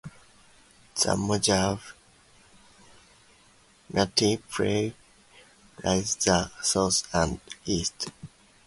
The Mojave National Preserve lies to the south and east.